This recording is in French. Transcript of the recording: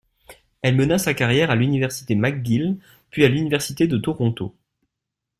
Elle mena sa carrière à l'Université McGill puis à l'Université de Toronto.